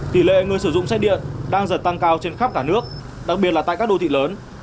tỷ lệ người sử dụng xe điện đang dần tăng cao trên khắp cả nước đặc biệt là tại các đô thị lớn